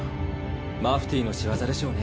マフティーの仕業でしょうね。